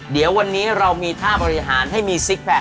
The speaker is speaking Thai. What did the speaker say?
เดี๋ยววันนี้เรามีท่าบริหารให้มีซิกแพค